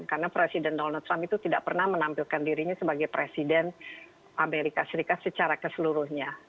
karena presiden donald trump itu tidak pernah menampilkan dirinya sebagai presiden amerika serikat secara keseluruhnya